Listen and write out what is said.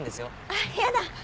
あっやだ。